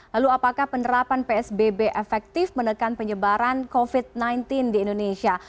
lalu apakah penerapan psbb efektif menekan penyebaran covid sembilan belas di indonesia